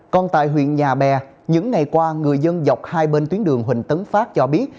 còn tại huyện nhà bè những ngày qua người dân dọc hai bên tuyến đường huỳnh tấn phát cho biết